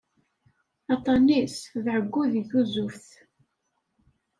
Aṭṭan-is d ɛeggu di tuzuft.